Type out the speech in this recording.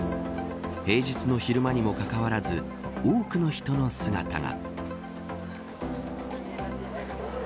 平日の昼間にもかかわらず多くの人の姿が。